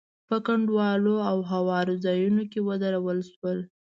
په کنډوالو او هوارو ځايونو کې ودرول شول.